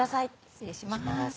失礼します